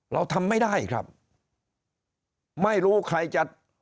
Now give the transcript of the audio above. เราทำไม่ได้ครับไม่รู้ใครจะ